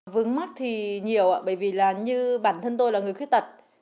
vướng mắt thì nhiều bởi vì như bản thân tôi là người khuyết tật